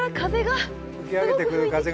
吹き上げてくる風が。